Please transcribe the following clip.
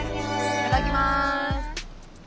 いただきます。